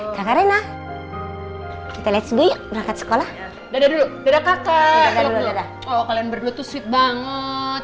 kakarena kita lihat dulu ya berangkat sekolah dulu dulu berdua tuh banget